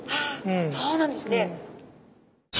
ああそうなんですね。